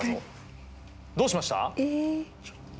どうしました？